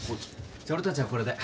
じゃあ俺たちはこれで。